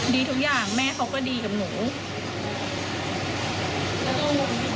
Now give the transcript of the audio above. ดีทุกอย่างแม่เขาก็ดีกับหนู